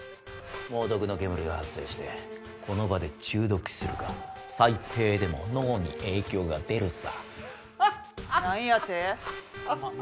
猛毒の煙が発生してこの場で中毒死するか最低でも脳に影響が出るさハッハッハッ！